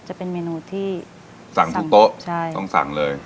จะเป็นเมนูที่สั่งทุกโต๊ะใช่ต้องสั่งเลย